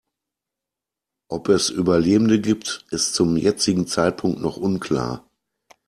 Ob es Überlebende gibt, ist zum jetzigen Zeitpunkt noch unklar.